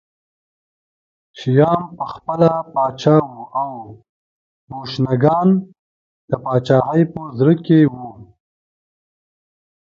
شیام پخپله پاچا و او بوشنګان د پاچاهۍ په زړه کې وو